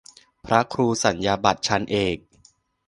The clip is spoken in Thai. พระครูสัญญาบัตรชั้นเอก